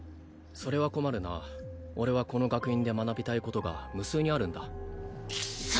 それは困るな俺はこの学院で学びたいことが無数にあるんだ貴様！